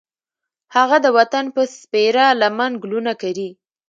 هغه د وطن په سپېره لمن ګلونه کري